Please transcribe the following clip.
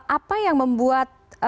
apa yang membuat